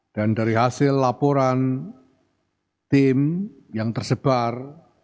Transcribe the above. dan dari hasil laporan tim yang tersebar